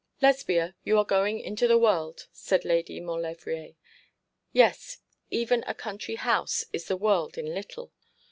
'Lesbia, you are going into the world,' said Lady Maulevrier; 'yes, even a country house is the world in little.